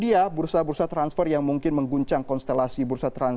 dan itu dia bursa bursa transfer yang mungkin mengguncang konstelasi bursa transfer di dunia